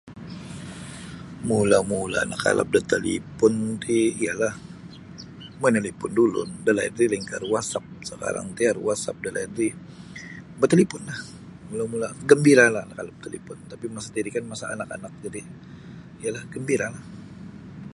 Mula-mula nakalap da talipun ti iyalah manalipun da ulun da laid ri lain ka da WhatsApp sekarang ti aru WhatsApp da laid ri betalipunlah mula-mula gembiralah nakalap da talipun tapi masa tati ri kan anak-anak jadi yalah gembiralah